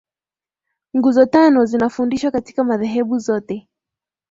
nguzo tano zinafundishwa katika madhehebu zote